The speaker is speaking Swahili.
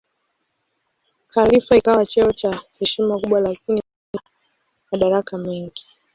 Khalifa ikawa cheo cha heshima kubwa lakini bila madaraka mengi.